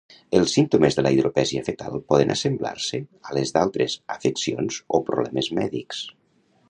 Els símptomes de la hidropesia fetal poden assemblar-se a les d'altres afeccions o problemes mèdics.